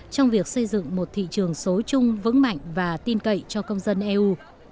trong việc xây dựng một thị trường số chung vững mạnh và tin cậy cho công dân eu